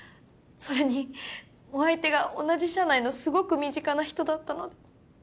それにお相手が同じ社内のすごく身近な人だったので。